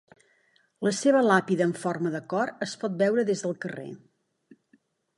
La seva làpida amb forma de cor es pot veure des del carrer.